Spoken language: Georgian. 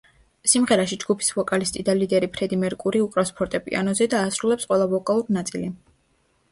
სიმღერაში ჯგუფის ვოკალისტი და ლიდერი ფრედი მერკური უკრავს ფორტეპიანოზე და ასრულებს ყველა ვოკალურ ნაწილი.